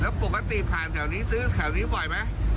แล้วปกติผ่านแถวนี้ซื้อแถวนี้บ่อยไหม